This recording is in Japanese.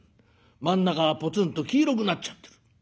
真ん中がぽつんと黄色くなっちゃってる。